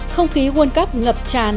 không khí nguồn cấp ngập tràn